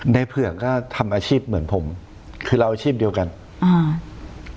เผือกก็ทำอาชีพเหมือนผมคือเราอาชีพเดียวกันอ่า